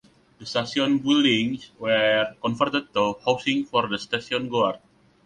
The station buildings were converted to housing for the station guard.